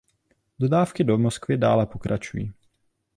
Dodávky do Moskvy dále pokračují.